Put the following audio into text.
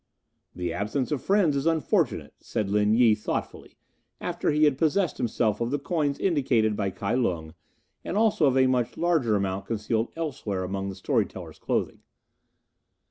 "The absence of friends is unfortunate," said Lin Yi thoughtfully, after he had possessed himself of the coins indicated by Kai Lung, and also of a much larger amount concealed elsewhere among the story teller's clothing.